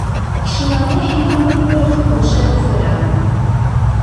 Kecmeɣ miḥlal mi nurar tuqemca tuffra.